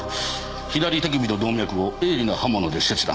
左手首の動脈を鋭利な刃物で切断。